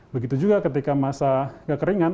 begitu juga ketika masa tidak keringan